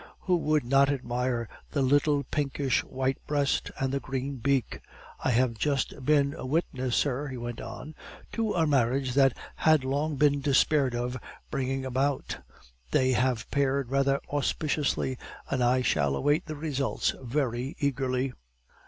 Who would not admire the little pinkish white breast and the green beak? I have just been a witness, sir," he went on, "to a marriage that I had long despaired of bringing about; they have paired rather auspiciously, and I shall await the results very eagerly.